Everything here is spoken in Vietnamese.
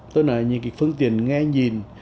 tức là những cái phương tiền nghe nhìn